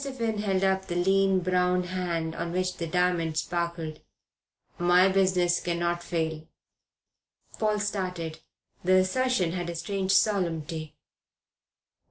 Finn held up the lean, brown hand on which the diamond sparkled. "My business cannot fail." Paul started. The assertion had a strange solemnity.